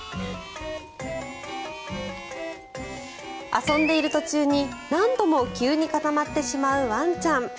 遊んでいる途中に何度も急に固まってしまうワンちゃん。